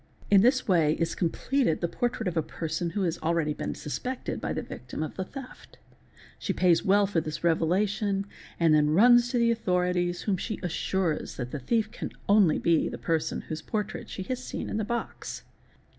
In this way is completed the portrait of a person who has already been suspected by the victim of the theft. She pays well for this revelation and then runs to the authorities, whom she assures that the thief can be only the person whose portrait she has seen in the box.